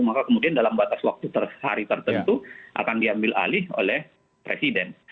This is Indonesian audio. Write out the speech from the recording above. maka kemudian dalam batas waktu hari tertentu akan diambil alih oleh presiden